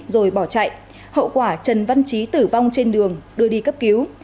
rồi bỏ chạy hậu quả trần văn trí tử vong trên đường đưa đi cấp cứu